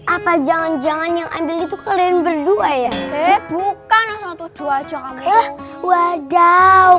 apa jangan jangan yang ambil itu kalian berdua ya bukan satu dua aja kamu